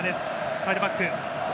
サイドバック。